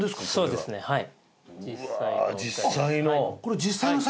そうですねはい。